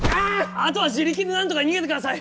あとは自力でなんとか逃げてください。